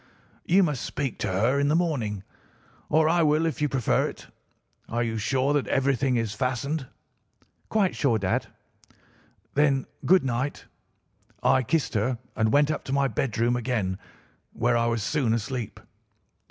"'You must speak to her in the morning, or I will if you prefer it. Are you sure that everything is fastened?' "'Quite sure, dad.' "'Then, good night.' I kissed her and went up to my bedroom again, where I was soon asleep.